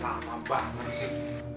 lama banget sih